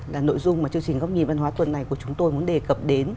là nội dung mà chương trình góc nhìn văn hóa tuần này của chúng tôi muốn đề cập đến